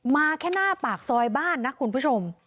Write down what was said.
แค่หน้าปากซอยบ้านนะคุณผู้ชม